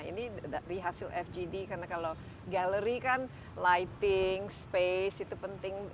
ini dari hasil fgd karena kalau galeri kan lighting space itu penting